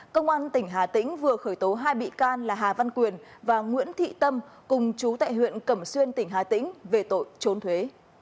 công an tỉnh hà tĩnh vừa khởi tố hai bị can là hà văn quyền và nguyễn thị tâm cùng chú tại huyện cẩm xuyên tỉnh hà tĩnh về tội trốn thuế